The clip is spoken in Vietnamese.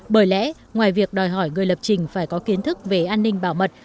bởi lẽ ngoài việc đòi hỏi người lập trình phải có kiến thức về an ninh bảo mật